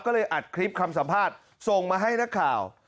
ก็เลยอัดคลิปคำสัมภาษณ์ส่งมาให้นักข่าว